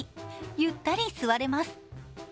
ゆったり座れます。